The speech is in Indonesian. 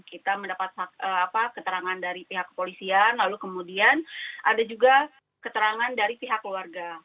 kita mendapat keterangan dari pihak kepolisian lalu kemudian ada juga keterangan dari pihak keluarga